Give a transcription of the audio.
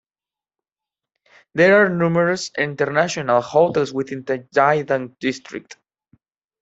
There are numerous international hotels within the Jiading district.